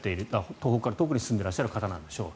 東北から遠くに住んでいらっしゃる方でしょう。